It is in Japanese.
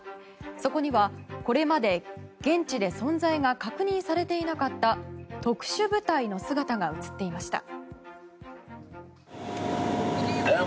そこには、これまで現地で存在が確認されていなかった特殊部隊の姿が映っていました。